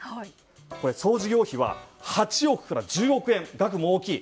これは総事業費は８億から１０億円で額も大きい。